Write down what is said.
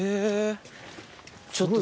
ちょっと。